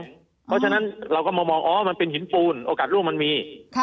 เพราะฉะนั้นเราก็มามองอ๋อมันเป็นหินปูนโอกาสร่วมมันมี